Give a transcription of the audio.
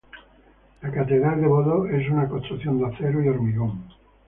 La catedral de Bodø es una construcción de acero y hormigón.